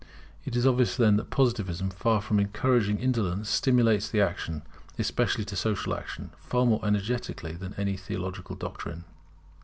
It is obvious then that Positivism, far from encouraging indolence, stimulates us to action, especially to social action, far more energetically than any Theological doctrine.